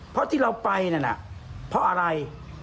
เพราะที่เราไปนั่นน่ะเพราะอะไร